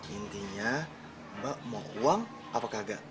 intinya mbak mau uang apa kagak